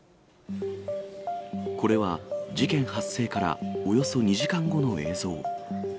これは事件発生からおよそ２時間後の映像。